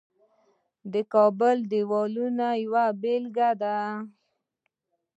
د کابل دیوالونه یوه بیلګه ده